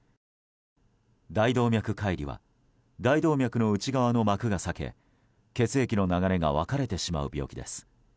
大動脈解離は大動脈の内側の膜が裂け血液の流れが分かれてしまう病気です。